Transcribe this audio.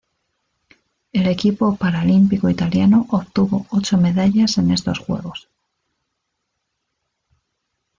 El equipo paralímpico italiano obtuvo ocho medallas en estos Juegos.